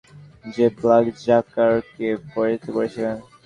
যে ব্ল্যাক রজারকে পরাজিত করেছিল।